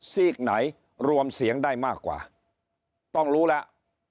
ซีกไหนรวมเสียงได้มากกว่าต้องรู้แล้ว